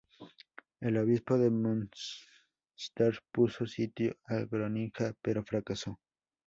El obispo de Münster puso sitio a Groninga, pero fracasó.